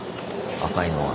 赤いのが。